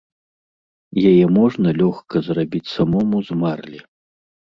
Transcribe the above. Яе можна лёгка зрабіць самому з марлі.